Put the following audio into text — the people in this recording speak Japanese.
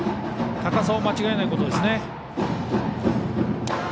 高さを間違えないことですね。